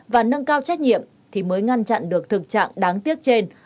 và nâng cao trách nhiệm thì mới ngăn chặn được thực trạng đáng tiếc trên